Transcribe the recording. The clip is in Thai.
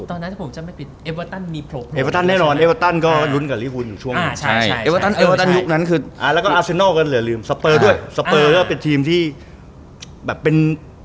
บ๊วยบ๊วยบ๊วยตอนนั้นผมจะไม่ปิดเอเวอร์ตันมีโผล่